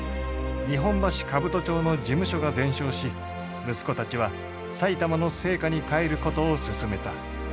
日本橋兜町の事務所が全焼し息子たちは埼玉の生家に帰ることを勧めた。